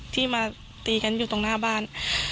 ที่มาตีกันอยู่ตรงหน้าบ้าน